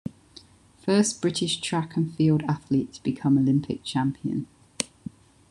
First British track and field athlete to become Olympic Champion.